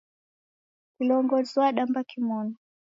Kilongozi w'adamba kimonu